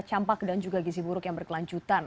campak dan juga gizi buruk yang berkelanjutan